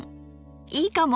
いいかも。